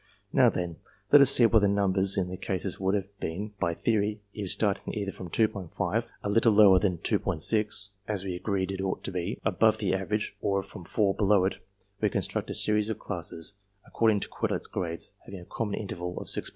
Now, then, let us see what the numbers in the classes would have been by theory if, starting either from 2'5 (a little lower than 2*6, as we agreed it ought to be) above the average, or from 4, below it, we construct a series of classes, according to Quetelet's grades, having a common interval of 6*5.